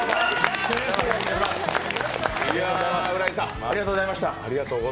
浦井さん、ありがとうございました。